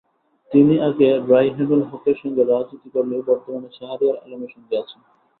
তিনি আগে রায়হেনুল হকের সঙ্গে রাজনীতি করলেও বর্তমানে শাহরিয়ার আলমের সঙ্গে আছেন।